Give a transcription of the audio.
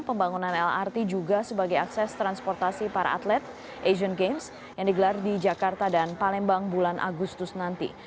pembangunan lrt juga sebagai akses transportasi para atlet asian games yang digelar di jakarta dan palembang bulan agustus nanti